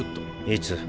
いつ？